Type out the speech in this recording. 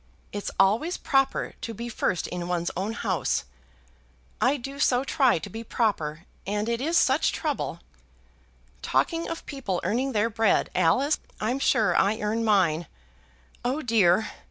It's always proper to be first in one's own house. I do so try to be proper, and it is such trouble. Talking of people earning their bread, Alice; I'm sure I earn mine. Oh dear!